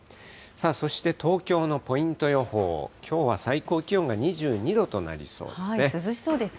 そして東京のポイント予報、きょうは最高気温が２２度となりそうですね。